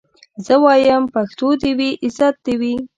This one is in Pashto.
زه وايم پښتو دي وي عزت دي وي